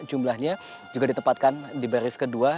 jumlahnya juga ditempatkan di baris kedua